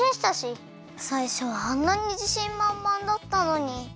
さいしょはあんなにじしんまんまんだったのに。